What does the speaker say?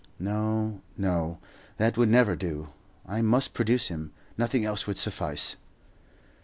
No, no; that would never do. I must produce him, nothing else would suffice.